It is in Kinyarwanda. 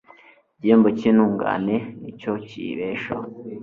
igihembo cy'intungane ni cyo kiyibeshaho